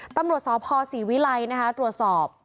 ตำรวจสพศรีวิลัยนะคะตรวจสอบ